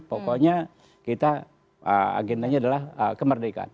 pokoknya kita agendanya adalah kemerdekaan